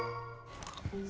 tidak ada apa apa